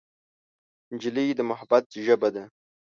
نجلۍ د محبت ژبه ده.